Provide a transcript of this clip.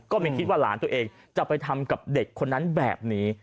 ไม่คิดว่าหลานตัวเองจะไปทำกับเด็กคนนั้นแบบนี้